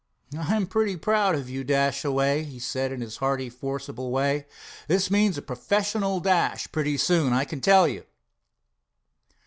"I'm pretty proud of you, Dashaway," he said, in his hearty, forcible way. "This means a professional dash pretty soon, I can tell you."